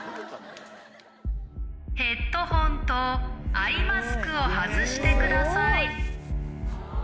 ヘッドホンとアイマスクを外してください。